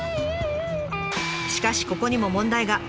しかしここにも問題が。